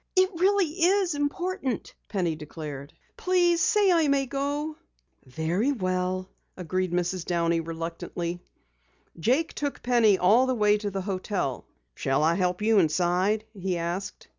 "It really is important," Penny declared. "Please say I may go." "Very well," agreed Mrs. Downey reluctantly. Jake took Penny all the way to the hotel. "Shall I help you inside?" he asked.